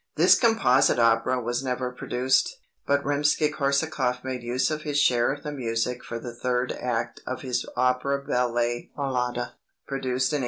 This composite opera was never produced, but Rimsky Korsakoff made use of his share of the music for the third act of his opera ballet "Mlada" (produced in 1893).